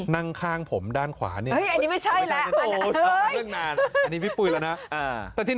นั่งข้างผมด้านขว้านี่อันนี้พี่ปุ้ยแล้วนะแต่ที